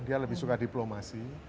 dia lebih suka diplomasi